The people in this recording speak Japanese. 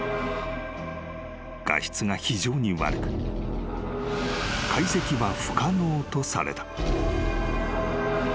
［画質が非常に悪く解析は不可能とされた］